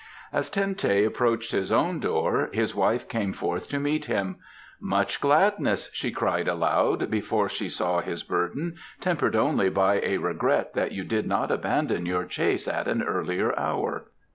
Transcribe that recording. As Ten teh approached his own door his wife came forth to meet him. "Much gladness!" she cried aloud before she saw his burden; "tempered only by a regret that you did not abandon your chase at an earlier hour.